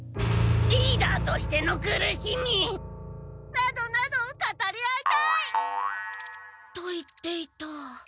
リーダーとしての苦しみ！などなどを語り合いたい！と言っていた。